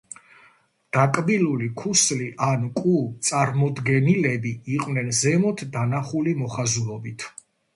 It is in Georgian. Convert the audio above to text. დაკბილული ქუსლი ან კუ წარმოდგენილები იყვნენ ზემოდან დანახული მოხაზულობით.